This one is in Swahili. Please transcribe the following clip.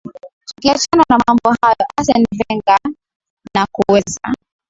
tukiachana na mambo haya arsene venga na kuweza